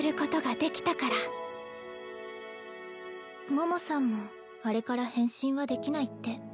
モモさんもあれから変身はできないって。